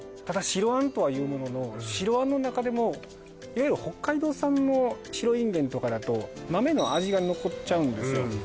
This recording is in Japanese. ただ白あんとはいうものの白あんの中でもいわゆる北海道産の白インゲンとかだと豆の味が残っちゃうんですよ